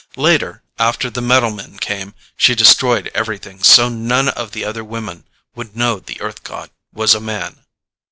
Later, after the metal men came, she destroyed everything so none of the other women would know the Earth god was a man.